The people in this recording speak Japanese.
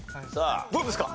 どうですか？